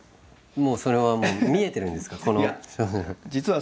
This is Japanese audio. もうそれは見えてるんですか？